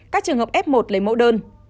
các trường hợp f một lấy mẫu đơn